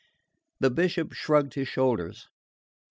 The Bishop shrugged his shoulders.